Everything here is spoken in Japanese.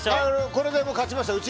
これで勝ちました。